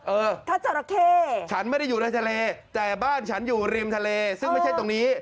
เออถ้าจราเข้ฉันไม่ได้อยู่ในทะเลแต่บ้านฉันอยู่ริมทะเลซึ่งไม่ใช่ตรงนี้